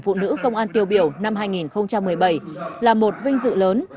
phụ nữ công an tiêu biểu năm hai nghìn một mươi bảy là một vinh dự lớn